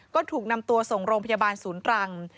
ก็ถูกนำตัวส่งโรงพยาบาลศูนย์ตรัง